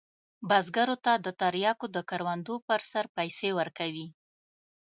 بزګرو ته د تریاکو د کروندو پر سر پیسې ورکوي.